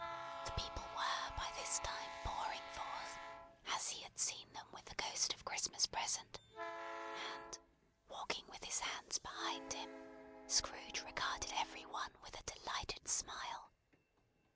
The people were by this time pouring forth, as he had seen them with the Ghost of Christmas Present; and walking with his hands behind him, Scrooge regarded every one with a delighted smile.